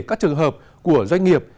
các trường hợp của doanh nghiệp